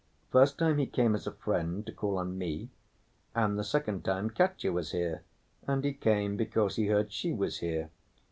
First time he came as a friend to call on me, and the second time Katya was here and he came because he heard she was here.